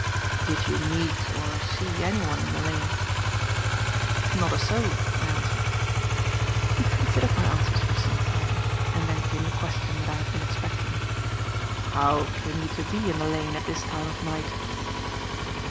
"Did you meet or see anyone in the lane?" "Not a soul," I answered. He considered my answers for some time, and then came the question that I had been expecting. "How came you to be in the lane at this time of night?"